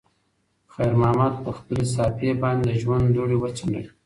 خیر محمد په خپلې صافې باندې د ژوند دوړې وڅنډلې.